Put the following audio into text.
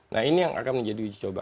nah ini yang akan menjadi uji coba